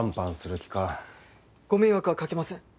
ご迷惑はかけません。